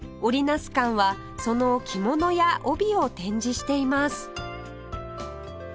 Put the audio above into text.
成舘はその着物や帯を展示しています